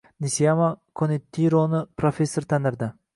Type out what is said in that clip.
Nisiyama Kon`itironi professor tanirdi